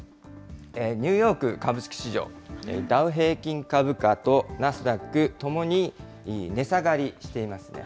ニューヨーク株式市場、ダウ平均株価とナスダックともに値下がりしていますね。